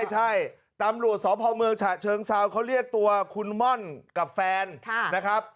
ใช่ตำรวจสพเมืองฉะเชิงเซาเขาเรียกตัวคุณม่อนกับแฟนนะครับ